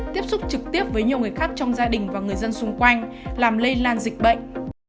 tiếp xúc trực tiếp với nhiều người khác trong gia đình và người dân xung quanh làm lây lan dịch bệnh